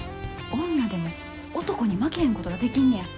女でも男に負けへんことができんねや。